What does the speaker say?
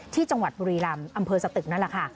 ที่จังหวัดบุรีรำอำเภอสตึกนั่นแหละค่ะ